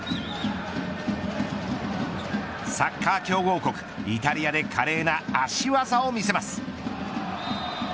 サッカー強豪国イタリアで華麗な足技を見せます。